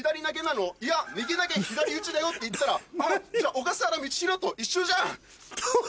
「いや右投げ左打ちだよ」って言ったら「あっじゃあ小笠原道大と一緒じゃん！」。